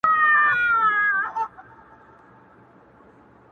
نسته له میرو سره کیسې د سوي میني!!